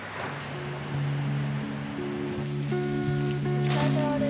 お疲れさまです。